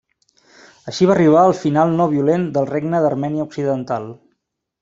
Així va arribar el final no violent del Regne d'Armènia Occidental.